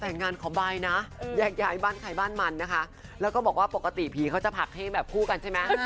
แต่งงานขอบายนะแยกย้ายบ้านใครบ้านมันนะคะแล้วก็บอกว่าปกติผีเขาจะผลักแห้งแบบคู่กันใช่ไหม